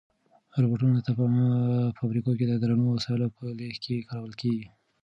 روبوټونه په فابریکو کې د درنو وسایلو په لېږد کې کارول کیږي.